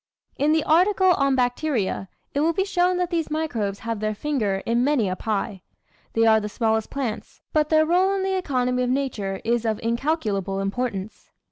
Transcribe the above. In the article on BACTERIA it will be shown that these microbes have their finger in many a pie. They are the smallest plants, but their role in the economy of nature is of incalculable importance.